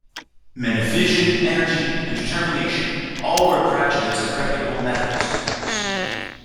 Men of vision, energy, and determination, all were graduates of reputable medical schools.